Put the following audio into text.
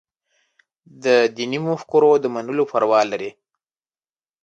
دیني مفکورو د منلو پروا لري.